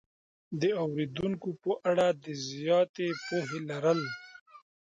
د اورېدونکو په اړه د زیاتې پوهې لرل